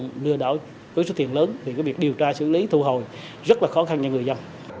nếu đối tượng lừa đảo với số tiền lớn thì có việc điều tra xử lý thu hồi rất là khó khăn cho người dân